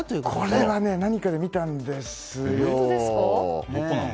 これは何かで見たんですよ。